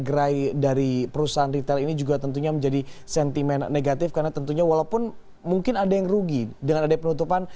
gerai dari perusahaan retail ini juga tentunya menjadi sentimen negatif karena tentunya walaupun mungkin ada yang rugi dengan ada penutupan